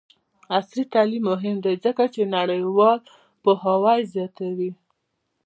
عصري تعلیم مهم دی ځکه چې نړیوال پوهاوی زیاتوي.